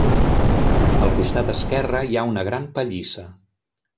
Al costat esquerre hi ha una gran pallissa.